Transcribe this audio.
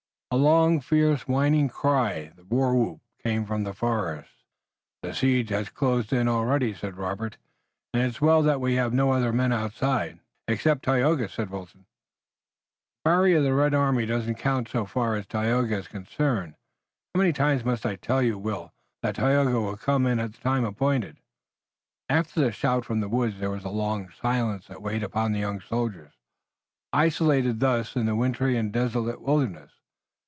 A long fierce whining cry, the war whoop, came from the forest. "The siege has closed in already," said Robert, "and it's well that we have no other men outside." "Except Tayoga," said Wilton. "The barrier of the red army doesn't count so far as Tayoga is concerned. How many times must I tell you, Will, that Tayoga will come at the time appointed?" After the shout from the woods there was a long silence that weighed upon the young soldiers, isolated thus in the wintry and desolate wilderness.